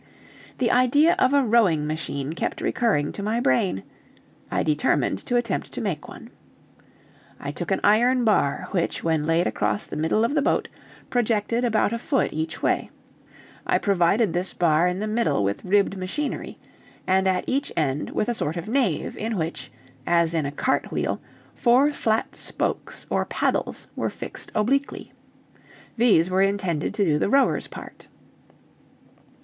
The idea of a rowing machine kept recurring to my brain. I determined to attempt to make one. I took an iron bar, which when laid across the middle of the boat projected about a foot each way. I provided this bar in the middle with ribbed machinery, and at each end with a sort of nave, in which, as in a cart wheel, four flat spokes, or paddles, were fixed obliquely. These were intended to do the rowers' part.